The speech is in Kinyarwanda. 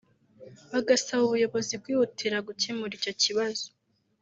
bagasaba ubuyobozi kwihutira gukemura icyo kibazo